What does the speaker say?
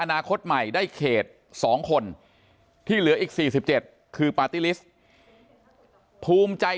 อนาคตใหม่ได้เขต๒คนที่เหลืออีก๔๗คือปาร์ตี้ลิสต์ภูมิใจ